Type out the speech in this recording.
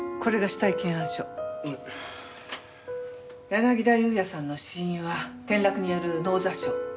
柳田裕也さんの死因は転落による脳挫傷。